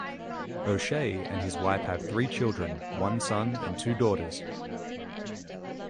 O'Shea and his wife have three children, one son, and two daughters.